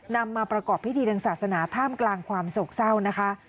นำมาประกอบพิธีทางศาสนาท่ามกลางความโศกเศร้านะคะ